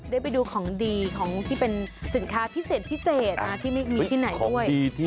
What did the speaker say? ได้ไปดูของดีของที่เป็นสินค้าพิเศษพิเศษที่ไม่มีที่ไหนด้วย